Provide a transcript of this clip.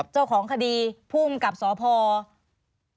เจ้าของคดีภูมิกับสพ